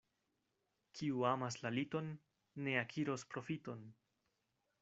Kiu amas la liton, ne akiros profiton.